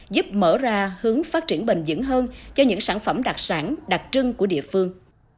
giúp mở ra hướng phát triển bền dững hơn cho những sản phẩm đặc sản đặc trưng của địa phương